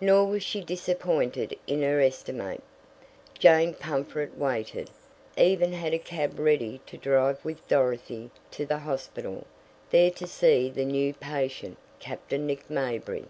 Nor was she disappointed in her estimate; Jane Pumfret waited even had a cab ready to drive with Dorothy to the hospital, there to see the new patient, Captain Nick Mayberry.